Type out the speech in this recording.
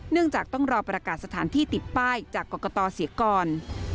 จากต้องรอประกาศสถานที่ติดป้ายจากกรกตเสียก่อน